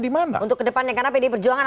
dimana untuk kedepannya karena pd perjuangan